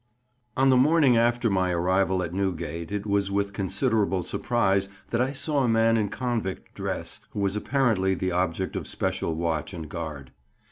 ON the morning after my arrival at Newgate it was with considerable surprise that I saw a man in convict dress, who was apparently the object of special watch and guard.